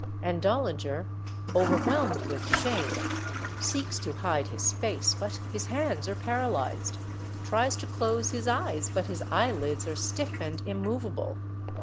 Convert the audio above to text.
And Dollinger, overwhelmed with shame, seeks to hide his face, but his hands are paralyzed ; tries to close his eyes, but his eyelids are stiff and immovable.